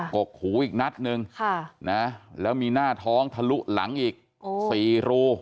กกหูอีกนัดนึงแล้วมีหน้าท้องทะลุหลังอีก๔รู